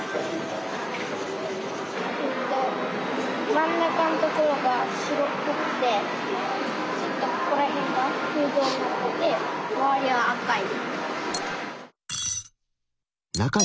真ん中のところが白っぽくてちょっとここら辺が空洞になってて周りは赤い。